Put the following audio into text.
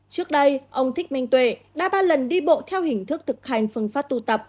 trước đây ông thích minh tuệ đã ba lần đi bộ theo hình thức thực hành phương pháp tu tập